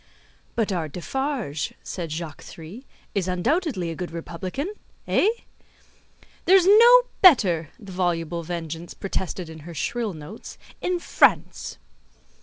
"But our Defarge," said Jacques Three, "is undoubtedly a good Republican? Eh?" "There is no better," the voluble Vengeance protested in her shrill notes, "in France."